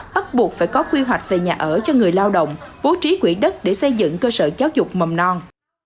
bắt buộc phải có quy hoạch về nhà ở cho người lao động bố trí quỹ đất để xây dựng cơ sở giáo dục mầm non